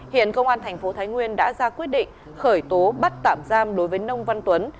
hiện công an thành phố thái nguyên đã ra quyết định khởi tố bắt tạm giam đối với nông văn tuấn